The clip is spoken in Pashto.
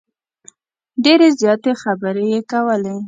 ډیرې زیاتې خبرې یې کولې.